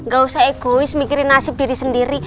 gak usah egois mikirin nasib diri sendiri